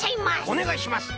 おねがいします！